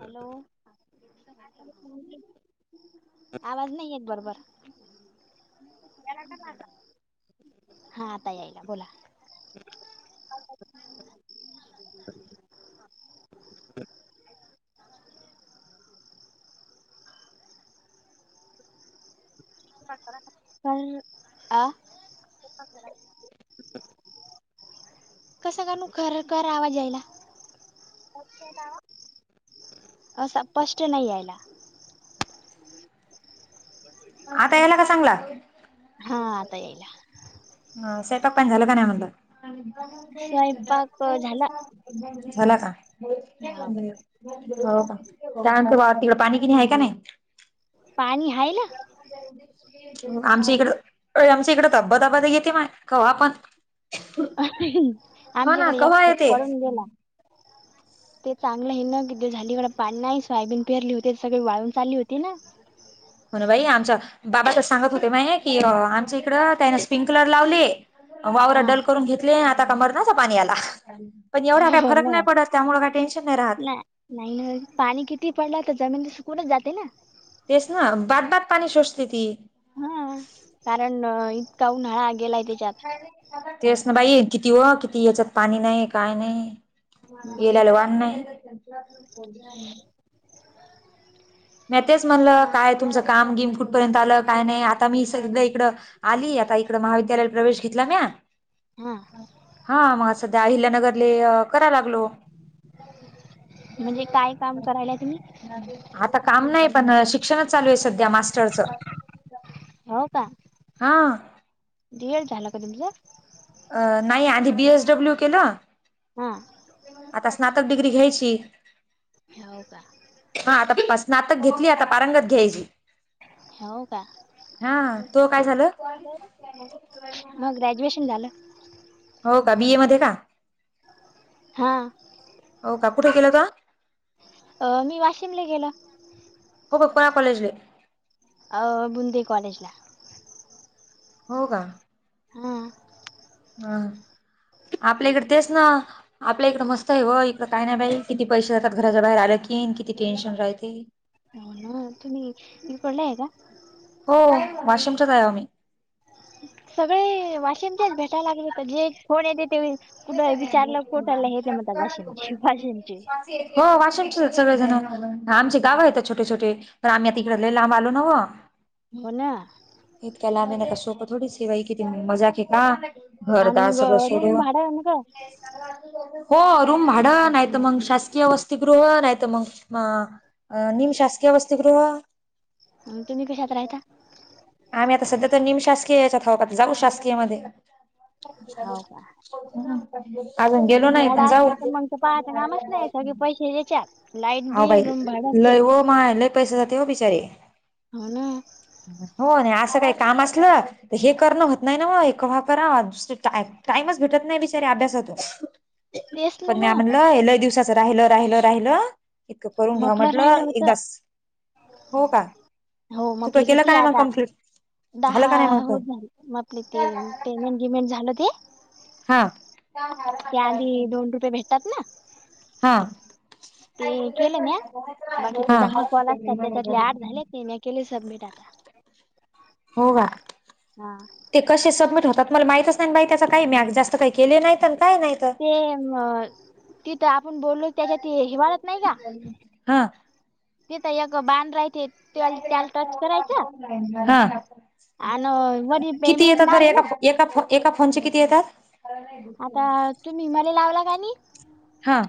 Hello. आवाज नाही एक बरोबर. येरा का नाता. हा आता याईला बोला. [inaudible] [inaudible] पण अ हा कसं काणू खरखर आवाज यायला. हो. सपष्ट नाही आयला. आता यायला का चांगला. हा आता येईला. ह स्वपाक पण झालं का नाही म्हणलं स्वयंपाक झाला झाला का हा हो का त्यानंतर तिकड पाणी कि नाही आहे का नाही पाणी हय ना आमच्या इकड अ आमच्या इकड तब्ब तबाद येते मा का आपण ना आमच्याकडे एक कव्हा ठोक येते पडून गेला [inaudible] ते चांगलं हे ना की जे झालीकड पाणी नाही सोयाबीन पिहरली होते ते सगळे वाळून चालली होती ना हो ना बाई आमच्या बाबाच सांगत होते मा की आमच्या इकडं काना स्प्रिंकलर लावले. वावररा हा डल करून घेतली आता का मरनासा पाणीला पण एवढा का हो फक ना नाही पडत त्यामुळे काही टेन्न नाही राहत नाही नाही पाणी किती पडला तर जमीन तर सुकूनच जाते ना तेस ना बाद बाद पाणी सोसते ती हा कारण इत काऊन हळाग तेच ना बाई किती व किती याच्यात पाणी नाही काय नाही येलाल मग वा नाही मी तेच म्हणलं काय तुमचं काम गिम कुठपर्यंत आलं काय नाही आता मी सगळ इकडं आली आता इकड महाविद्यालयात प्रवेश घेतला म्या हा हा मग सध्या अहिल्यानगरले करा लागलो म्हणजे काय काम करायला तुम्ही [unintelligible] आता काम नाही पण शिक्षणच चालू आहे सध्या मास्टरचं हो का दी झाला कदऊ जा अ नाही आधी बीएसडब्ल्यू केलं हा आता स्नातक डिग्री घयची हो का हा आता स्नातक घेतली आता पारांंगत घ्यायची होव का हा तो काय झालं हॅ मग ग्रॅज्युएशन झालं हो का बीए मध्ये का हा हो का कुठे केलं का मी वाशिमला गेला हो का करा कलेजले अ बुंदी कॉलेज ला हो का हम हं आपल्याकडे तेच ना आपल्या इकडं मस्त आहे व इकडं काय नाही बाई किती पैसे जातात घराच्या बाहेर आलं की किती टेन्शन राहते हो ना तुम्ही इ पला आहे का हो वाशिमच्याच आ आहे आम्ही सगळे वाशिमच्याच भेटायला लागले तर जे फोन येते ते कुठे विचारला कोठले हेेत तर म्हणतात वाशिमचे वाशिमचे हो वाशिमचे सगळेजण आमची गावं आहेत छोटे छोटे तर आम्ही आ तिककडे ल लांब आलो नव हो ना इतकाय ला आमे नका सोपं थोडी सिवाई किती मजा केे का घरदार सगळं सोडून होन काय प हो रूम भाडं नाहीत मग शासकीय वस्तीगृह नाहीत मग अ निम शासकीय वस्ती गृह तुम्ही कशात राहाता आम्ही आता सध्या तर निम शासकीय याच्यातऊत आता जाऊ शासकीय मध्ये अजून गेलो रुम नाही पण भाडा जाऊ असलं तर मग तर पाहाच नामच नाही सगळे पै [unintelligible] लाईट बिल रुम भाड ते माले पैसा जाते हो बिचारे हा ना हो नाही असं काही काम असलं हे करणं होत नाही ना व हे कवा कराव टाइमच भेटत नाही बिचारे अभ्यासातून तेच ना पण म्या मग म्हणलं हे लय दिवसाचं राहिल राहिल राहिलं इतकं करून घ्या मपलं राहिलं म्हंटलं एकदा होतं हो का हो म्ह तुकडं आपली केलं किती का नाही मग आता कम्प्लीट झालं दहा का नाही मग तो होत झाले म आपली ती पेमेंट विमेंट झालं ते हा त्या आधी दोन रुपये भेटतात ना हा ते केलं म्या [unintelligible] बाकीचे हा दहा कॉल असतात त्याच्यातले आठ झाले मी नाही केली सबमिट आता हो का हा ते कसे सबमिट होतात मला माहितच नाही बाई त्याचा काही म्या जास्त काही केले नाहीत आण काही नाहीत ते म तिथं आपण बोललो त्याच्यात हिवाळत नाही का? हा तिथ एक बांध रायते त्याला टच करायच हा. आणि वरी किती पेमेंट येतात नाव बरं आहे एका ना एका फ एका फोनचे किती येतात आता तुम्ही मले लावला का नाही हां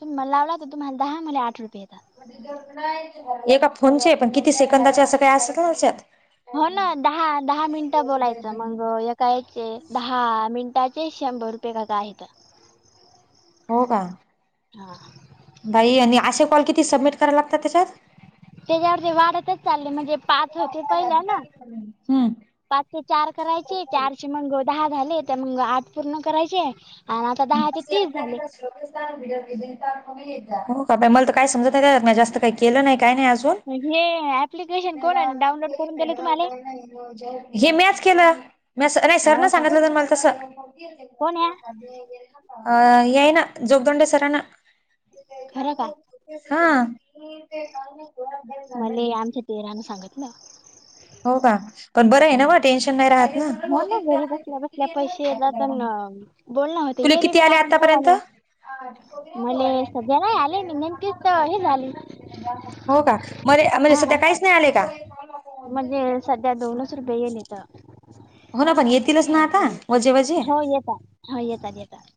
तुमी मला लावला तर तुम्हाला दहा मले आठ रुपाये येतात एका फोनचे पण किती सेकंदाचे असं काही असत ना त्याच्यात हो ना दहा दहा मिनिटं बोलायचं मग कायचे दहा मिनटाचे शंभर रुपये का का आहेत हो का हा बाई आणि असे कॉल किती सबमिट करायला लागतात त्याच्यात त्याच्यावरती वाढतच चालले म्हणजे पाच होते पहिल्या ना हम्म. पाच ते चार करायचे चार मग दहा झाले तर मग आठ पूर्ण करायचे आणि आता दहा ते तीस झाले [unintelligible] मला तर काय समजत का नाही जास्त काही केलं नाही काही नाही अजून हे ऍप्लिकेशन [inaudible] कोणाने डाउनलोड करून दिलं तुम्हाला हे म्याच केलं म नाही सर न हो का सांगितलं ज मला तस अ कोण या येय ना जोगदंड सर ना खरं का हा मला आमच्या दिराना सांगितलं हो का पण बरं आहे हा ना म टेन्शन नाही राहत ना हो ना घरी बसल्या बसल्या पैसे येतात बोलण होते हे रे बीन आपण कोण आले हा [unintelligible] मले सध्या नाही आले मी नेमकीच हे झाले हो का मध्ये म्हणजे सध्या काहीच नाही आले का म्हणजे सध्या दोनच रुपये गेले तर हो ना पण येतीलच ना आता वजे वजे हो येतात हो येतात येतात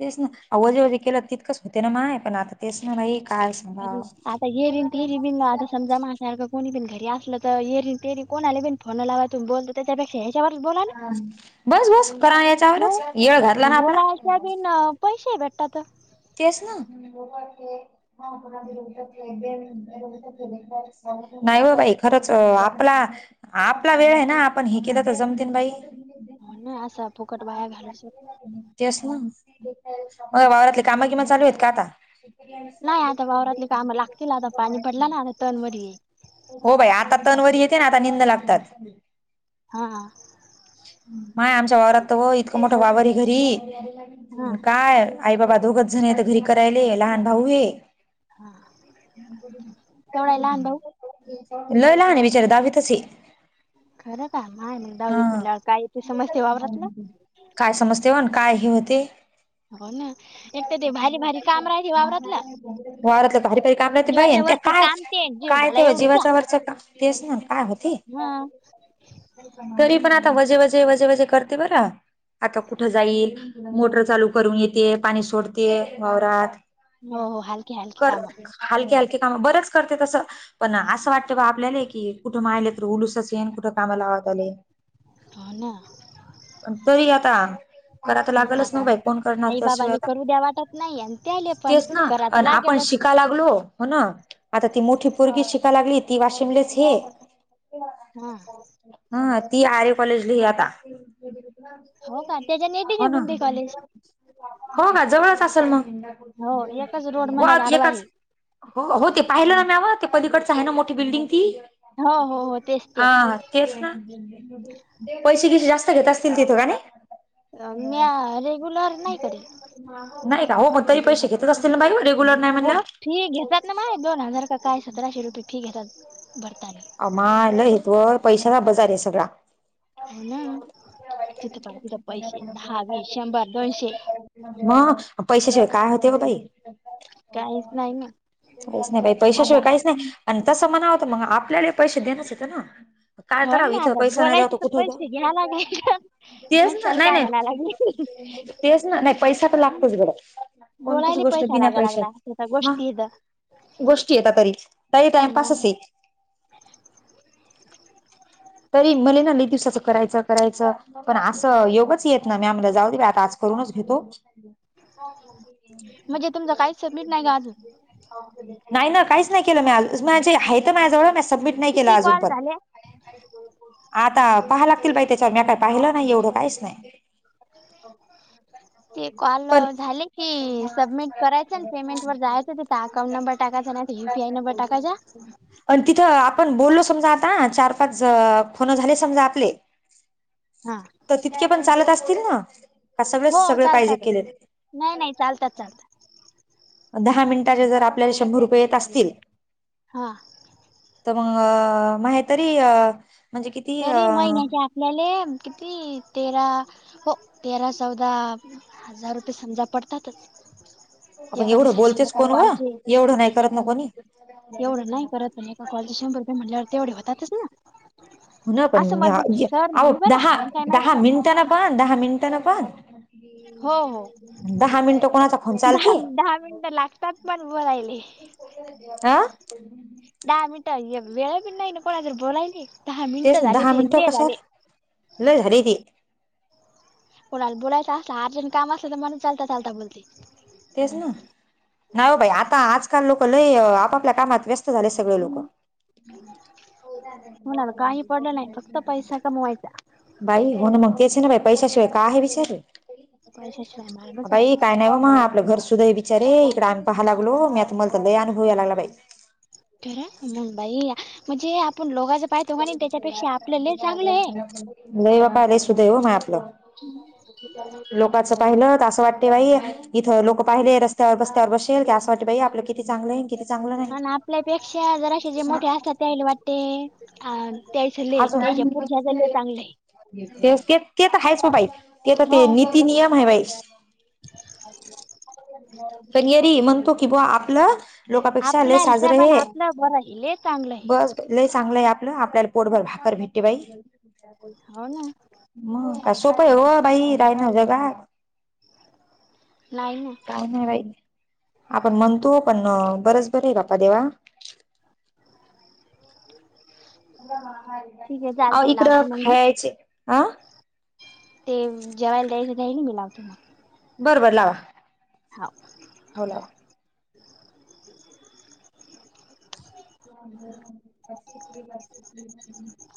तेच ना आवजेवले केलं तितकंच होते ना माय पण आता तेच् न भाई काय बरी सांगाव. आता गेरन तीरी बिन आता समजा मा सारखं कोणी पण घरी असलं तर येरी तेरी कोणाला पण फोन लावा त बोलतो त्यांच्यापेक्षा वर बोला ना बस बस करा हो याच्यावरच येळ घातला ना बोलाश आपला. बीन पैसे भेटतात तेचना नाही बा बाई खरंच आपला आपला वेळ आहे ना आपण हे केला तर जमतेन बाई हो ना असं फुकट वाया घालूच तेच ना मग वावरातले कामा किमा चालू आहेत का आता नाही आता वावरातले काम लागतील आता पाणी पडला ना आता तणवर हो बाई आता तणवर येते ना आता निंद लागतात हा. माय आमच्या वावरात इतकं मोठ वावरारी हा घरी काय. आई बाबा दोघच झाजण तर घरी करायले लहान भाऊ हे. तेवढा आहे लहान भाऊ लो ला आणि बिचारे दावी तसे. खरं का माय दवीत हा म्हटलं कायथे समस्या वावररात ना. काय समजते वण काय हे होते. हो ना एक तर ते भारी भारी काम राहते वावरातलं वारतलं भारी पारी काम रा बाई जीवाच्या त्या. वरचं काय काम ते जीव काय झाला तेव्हा एवढूसा जीवाच्या वरच का तेस ना काय होती. हं. तरी पण आता वजे वजे वजे वजे करते बरं आता कुठं जाईल. मोटर चालू करून येते पाणी सोडते वावरात. हो हो हलकी हलकी कर काम हलके हलके काम बरेच करते तसं. पण असं वाटत बा आपल्याला की कुठं महिले तर उलुसच येन कुठं कामा लावत आले. हो ना. तरी आता. कराय तर लागलच ना आता बाई कोन करणार आई त्याशिवाय बाबाले आता करू द्या वाटत नाही आणि त्याले पण तेच ना करा तर आणि आपण शिक. लागेलच शिका लागलो हो ना आता ती मोठी पोरगी शिकाय लागली ती वाशिमलेच हे हा. ह ती आर्य कॉलेज ल आता. हो का त्याच्या नेटीचे हो ना. पण ते कॉलेज हो का जवळच असेल मग हो एकच रोड हो मध्ये आत आडवा एकाच. आहे हो हो ते पाहिलं ना म्याव ते पलीकडच आहे ना मोठी बिल्डिंग ती हो हो हो तेच ह तेच केफ ना पैसे कसे जास्त घेत असतील तिथं का नाही. रम्या रेगुलर नाही कर. नाही का हो हो तरी पैसेेत. असतील ना बा रेगुलर नाही. हो म्हणल्यावर फी घेतात ना माय दोन हजार का काय सतराशे रुपये फी घेतात भरताले. अ मालं हे त व पैशाचा बजार आहे सगळा. हो ना तिथं पा तिथ पैसे दहावीस शंभर दोनशे. ह पैशाशिवाय काय होते ब बाई. नाही ना काहीच नाही बाई आता पैशाशिवाय काहीच नाही अंण तस म्हणाव मग. आपल्याला पैसे देणच येत ना- काय हो करावं ना इथं आता पैसा नाही द्या बोलायचे तो तर पैसे कुठे घ्या लागायचं तेच ना म्हणसाल नाही काय नाही. म्हणा लागली तेच ना नाही पैसा पण लागतोच बरं कोणतीच बोलायला गोष्ट पैसा बिन लागा लागला त्याचा पैशातत म गोष्टी इथं गोष्टी येत तरी तरी मग टाइमपासच आहे. तरी मले ना ल दिवसाचं करायचं करायचं पण हा. असं योगच येत. ना मी आम्हाला जाऊ दे बी आता आज करूनच घेतो. म्हणजे तुमचं काही सबमिट नाही का अजून. नाही ना काहीच नाही केलं मी माझे आहे माझ्याजवळ म सबमिट नाही केलं किती अजून कॉल पण. झाले [unintelligible] आता पहाय लागतील बाई त्याच्यावर मी काय पाहिलं नाही एवढं काहीच नाही. अ. ते कॉल झाले की सबमिट करायच आणि पेमेंट वर जायचं ते ता- अकाउं नंबर टकाचा नाही तर यू पीआय नंबर टाकाचा चा- आणि तिथं आपण बोललो समजा आता चार- फोन झाले समजा आपले- हा. तर तितके पण चालत असतील ना सगळ हो सगळे पाहिजे चालतात केले- नाही नाही चालतात चालतात दहा मिनिटाच्या जर आपल्याला शंभर रुपये येत असतील, हा! तर मग मही तरी अ- तरी महिन्याच्या आपल्याले किती तेरा हो तेरा चौदा हजार रुपये समजा पडतातच. आपण एका एवढं दिवसाचे बोलतेच एका कोण व कॉल चे एवढं नाही करत ना एका कोणी एवढं नाही करत पण- [unintelligible] कॉल चे शंभर रुपये म्हटल्यावर तेवढे होतातच ना. न पण असं य ह मला य सर अहो म्हणे बरं दहा मला काही माहित दहा नाही मिन त्यान पण दहा मिंनट ना पण हो हो दहा मिंनट कोणाचा फोन दहा चालते म दहा मिनटं लागतात पण बोलायले. अ. [unintelligible] दाहा मिनंट यग वेळ भी नाही ना, कोणाजोळ बोलायले. दहा तेस मिनिटं ना झाले दहा ते मिनटो ले झाले कशात लय झाली ते. कोनाल बोलायचं आसल आर्जन काम आसल तर माणूस चालता चालता बोलते. तेच ना हाव बाई आता आजकाल लोक लय आपापल्या कामात व्यस त झाले सगळे लोक. म्हणाल काही पडलं नाही फक्त पैसा कमवायचा. बाई होन मंग तेच ना, बाई पैशशिवाय काय हे विचारे पैशाशिवाय मार्गच बई काय नाही व मा आपलं घर सुद्धा बिचारे इकडे आम पाहा लागलो मी आता मल अनुभव याय लागला बाई. तर मंग बाई म्हणजे आपण लोगाचं पायतो कणि त्याच्यापेक्षा आपलं लई चांगलं हे. [unintelligible] नाही बाबाले सुदैव मन आपलं लोकच- पाहिलं तर असं वाटते बाई इथं लोक पाहिले रत्यावर बस्त्यावर बसेल की असं वाटते बाई आपलं किती चांगलं हे. कीती चांगलं हे. आण आपल्यापेक्षा जराशे जे मोठे असता त्यायाल वाटते. अ त्यायच लय आजून काही त्याच्या नई पुढच्याच बसले लय चांगलं हेत. आहे [unintelligible] तेच तेत ते त हायच व बाई ते त ते हो नित ती नियम आहे बाई ते नियत. [unintelligible] म्हणतो की बुआ आपलं लोकपेक्षा लय आपल्या साजर हिशोबान हे आपलं बरं आहे लय चांगलं आहे बस. लय चांगलंय आपलं आपल्याला पोटभर भाकर भेटते बाई. हो ना. मंग का सोपय हो बाई रायन जगाात. नाही ना काही नाही बाई. आपण म्हणतो पण बरंच बरे आहे बापा देवा. ठीक आहे आ चालते इकडं लावतो मग मी खायचे अ [unintelligible] ते जेवायला दयसध मिलावतेला- [unintelligible] बरबर लावा. हाव. होला. [unintelligible] [unintelligible]